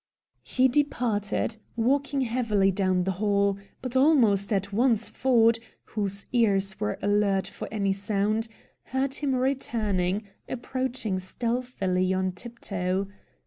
He departed, walking heavily down the hall, but almost at once Ford, whose ears were alert for any sound, heard him returning, approaching stealthily on tiptoe.